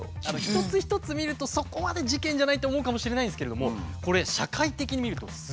一つ一つ見るとそこまで事件じゃないって思うかもしれないんですけれどもこれ社会的に見るとすごい事件なんですよ。